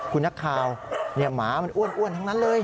คุณนักข่าวหมามันอ้วนทั้งนั้นเลย